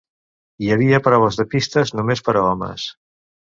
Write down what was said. Hi havia proves de pistes només per a homes.